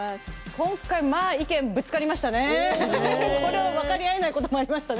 今回、意見がぶつかりましたね。